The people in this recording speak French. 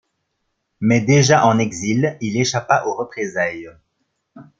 Mais déjà en exil, il échappa aux représailles.